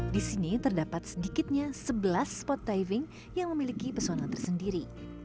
di sini terdapat sedikitnya sebelas spot diving yang memiliki pesona tersendiri